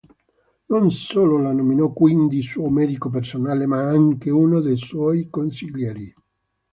Non solo lo nominò quindi suo medico personale, ma anche uno dei suoi consiglieri.